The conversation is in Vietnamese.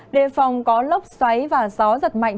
đề phòng có lốc xoáy và gió giật mạnh